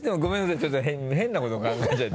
ちょっと変なこと考えちゃって。